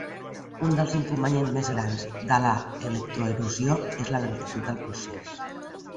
Un dels inconvenients més grans de l'electroerosió és la lentitud del procés.